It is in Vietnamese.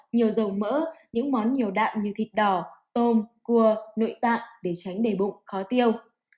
nhiều dầu mỡ những món nhiều đạn như thịt đỏ tôm cua nội tạng để tránh đề bụng khó tiêu